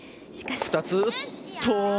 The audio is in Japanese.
しかし。２つ。